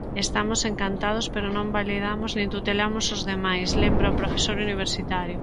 "Estamos encantados pero non validamos nin tutelamos os demais", lembra o profesor universitario.